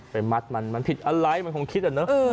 มัดมันมันผิดอะไรมันคงคิดอะเนอะ